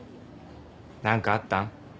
何かあったん？